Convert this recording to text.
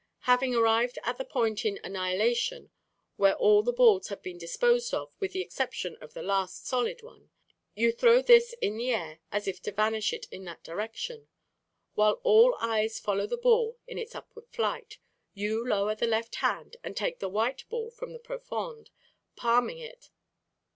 Having arrived at the point in "Annihilation" where all the balls have been disposed of with the exception of the last solid one, you throw this in the air as if to vanish it in that direction. While all eyes follow the ball in its upward flight, you lower the left hand and take the white ball from the profonde, palming it.